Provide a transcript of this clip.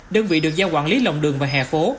đơn vị được giao quản lý lòng đường và hè phố